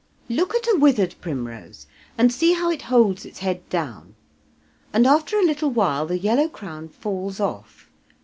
Look at a withered primrose, and see how it holds its head down, and after a little while the yellow crown falls off.